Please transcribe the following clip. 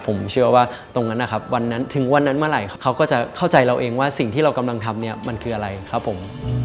ผมเชื่อว่าตรงนั้นนะครับวันนั้นถึงวันนั้นเมื่อไหร่เขาก็จะเข้าใจเราเองว่าสิ่งที่เรากำลังทำเนี่ยมันคืออะไรครับผม